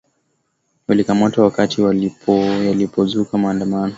walikamatwa wakati walipoo yalipozuka maandamano